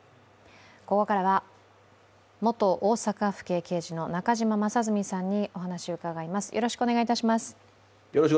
ここからは元大阪府警刑事の中島正純さんにお話を伺います。